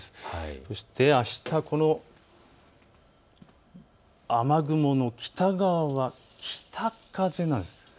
そして、あした雨雲の北側は北風なんです。